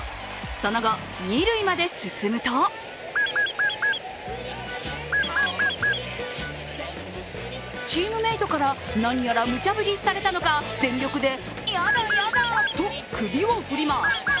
その後、二塁まで進むとチームメイトから何やらむちゃぶりされたのか全力でやだやだと首を振ります。